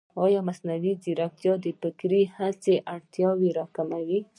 ایا مصنوعي ځیرکتیا د فکري هڅې اړتیا نه راکموي؟